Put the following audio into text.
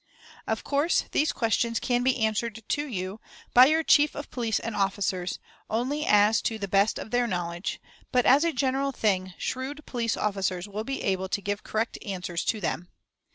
"Of course these questions can be answered to you, by your chief of police and officers, only as to the best of their knowledge; but, as a general thing, shrewd police officers will be able to give correct answers to them.